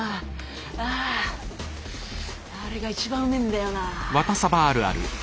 ああれが一番うめえんだよな。